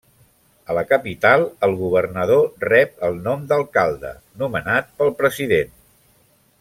A la capital el governador rep el nom d'alcalde, nomenat pel president.